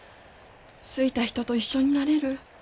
好いた人と一緒になれる。